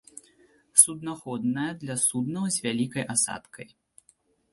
Суднаходная для суднаў з вялікай асадкай.